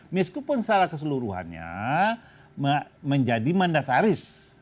meskipun secara keseluruhannya menjadi mandataris